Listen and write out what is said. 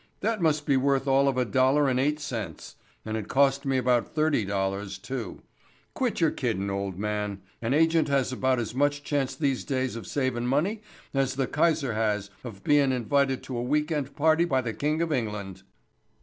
That must be worth all of a dollar and eight cents, and it cost me about thirty dollars, too. Quit your kiddin', old man. An agent has about as much chance these days of savin' money as the Kaiser has of bein' invited to a week end party by the King of England."